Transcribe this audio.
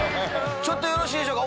ちょっとよろしいでしょうか？